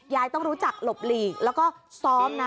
ยายต้องรู้จักหลบหลีกแล้วก็ซ้อมนะ